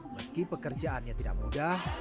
meski pekerjaannya tidak mudah